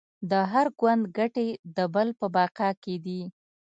د هر ګوند ګټې د بل په بقا کې دي